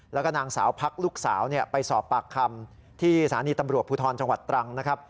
แล้วก็นางสาวพักลูกสาวไปสอบปากคำที่สถานีตำรวจภูทรจังหวัดตรังนะครับ